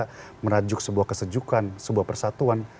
kita merajuk sebuah kesejukan sebuah persatuan